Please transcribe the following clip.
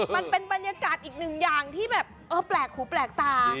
มันเป็นบรรยากาศอีกหนึ่งอย่างที่แบบเออแปลกหูแปลกตา